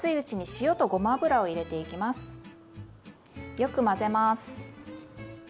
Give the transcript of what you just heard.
よく混ぜます。